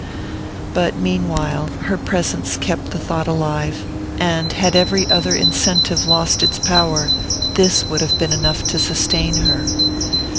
But meanwhile her presence kept the thought alive; and, had every other incentive lost its power, this would have been enough to sustain her.